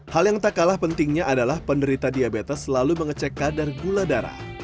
hal yang tak kalah pentingnya adalah penderita diabetes selalu mengecek kadar gula darah